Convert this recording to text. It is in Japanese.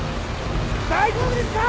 大丈夫ですか！？